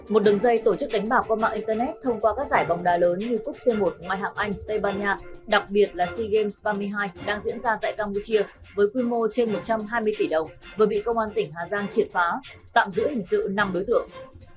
một đường dây tổ chức đánh bạc qua mạng internet thông qua các giải bóng đá lớn như cúc c một mai hạng anh tây ban nha đặc biệt là sea games ba mươi hai đang diễn ra tại campuchia với quy mô trên một trăm hai mươi tỷ đồng vừa bị công an tỉnh hà giang triệt phá tạm giữ hình sự năm đối tượng